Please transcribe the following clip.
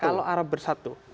kalau arab bersatu